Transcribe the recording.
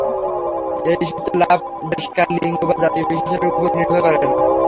এই ঋষিত্ব-লাভ দেশ-কাল-লিঙ্গ বা জাতিবিশেষের উপর নির্ভর করে না।